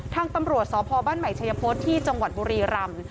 ทางตำรวจสพบ้านใหม่ชัยพฤษที่จังหวัดบุรีรำ